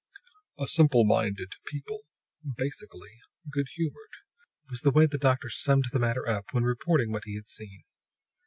"A simple minded people, basically good humored," was the way the doctor summed the matter up when reporting what he had seen.